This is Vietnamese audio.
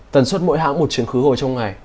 tần suất mỗi hãng một chuyến khứ hồi trong ngày